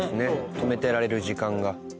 止めてられる時間が。